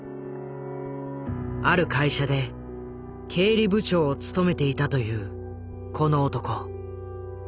ある会社で経理部長を務めていたというこの男。